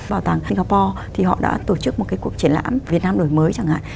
bảo tàng singapore thì họ đã tổ chức một cái cuộc triển lãm việt nam đổi mới chẳng hạn